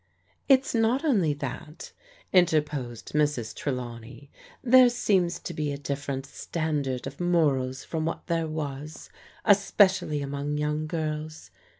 "It's not only that/' interposed Mrs. Trelawney, " there seems to be a different standard of morals from what there was, especially among young girls.